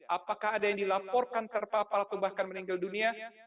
apakah ada yang dilaporkan terpapar atau bahkan meninggal dunia